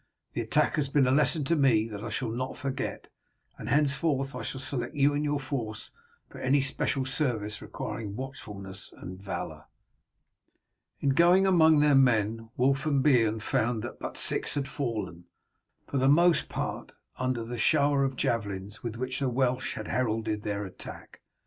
The attack has been a lesson to me that I shall not forget, and henceforth I shall select you and your force for any special service requiring watchfulness and valour." In going among their men Wulf and Beorn found that but six had fallen, for the most part under the shower of javelins with which the Welsh had heralded their attack.